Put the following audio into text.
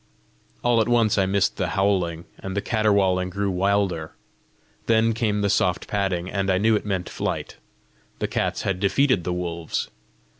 All at once I missed the howling, and the caterwauling grew wilder. Then came the soft padding, and I knew it meant flight: the cats had defeated the wolves!